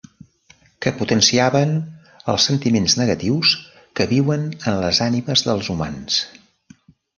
Que potenciaven els sentiments negatius que viuen en les ànimes dels humans.